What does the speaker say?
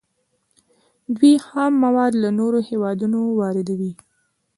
دوی خام مواد له نورو هیوادونو واردوي.